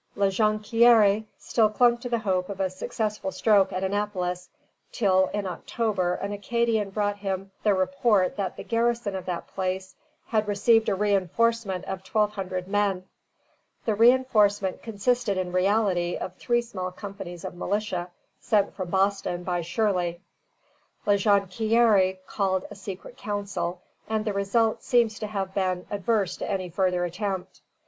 La Jonquière still clung to the hope of a successful stroke at Annapolis, till in October an Acadian brought him the report that the garrison of that place had received a reinforcement of twelve hundred men. The reinforcement consisted in reality of three small companies of militia sent from Boston by Shirley. La Jonquière called a secret council, and the result seems to have been adverse to any further attempt.